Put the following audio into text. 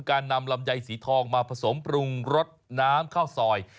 การนำลำไยสีทองมาผสมปรุงรสน้ำข้าวซอย